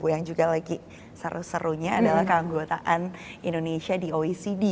yang juga lagi seru serunya adalah keanggotaan indonesia di oecd